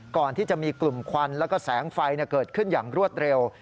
ก่อนที่จะมีกลุ่มควันแล้วก็แสงไฟเกิดขึ้นอย่างรวดเร็ว